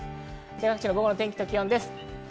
午後の天気と気温です。